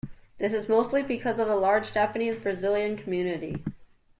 This is mostly because of the large Japanese Brazilian community.